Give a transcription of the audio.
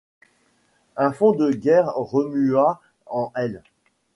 Un fond de guerre remua en elle.